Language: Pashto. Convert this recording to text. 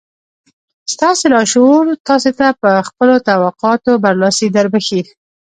ستاسې لاشعور تاسې ته پر خپلو توقعاتو برلاسي دربښي.